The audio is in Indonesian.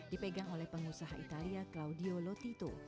dipegang oleh pengusaha italia claudio lotito